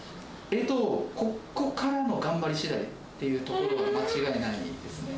えーと、ここからの頑張りしだいっていうところは間違いないですね。